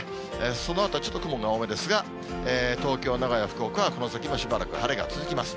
そのあとちょっと雲が多めですが、東京、名古屋、福岡は、この先もしばらく晴れが続きます。